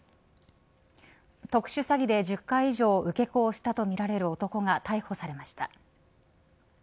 特殊詐欺で１０回以上受け子をしたとみられる男が逮捕されました。